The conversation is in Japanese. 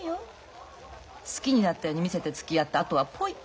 好きになったように見せてつきあってあとはポイ！